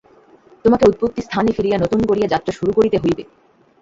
তোমাকে উৎপত্তি-স্থানে ফিরিয়া নূতন করিয়া যাত্রা শুরু করিতে হইবে।